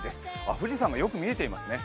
富士山がよく見えていますね。